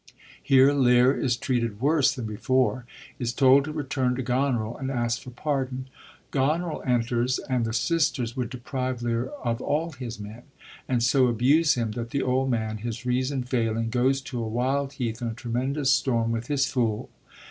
Here Lear is treated worse than before ; is told to return to Goneril and ask for pardon. Goneril enters, and the sisters would deprive Lear of all his men, and so abuse him that the old man, his reason failing, goes to a wild heath in a tremendous storm, with his fool.